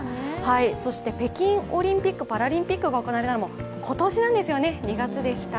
そして北京オリンピック・パラリンピックが行われたのも今年なんですよね、２月でした。